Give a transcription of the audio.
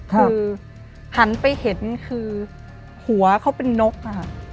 คือหันไปเห็นคือหัวเขาเป็นนกนะคะ